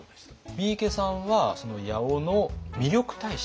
三池さんは八尾の魅力大使。